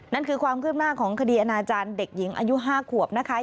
นั่นคือความคืบหน้าของคดีอนาจารย์เด็กหญิงอายุ๕ขวบนะคะ